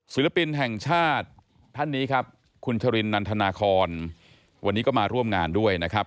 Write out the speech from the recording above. ศิลปินแห่งชาติท่านนี้ครับคุณชรินนันทนาคอนวันนี้ก็มาร่วมงานด้วยนะครับ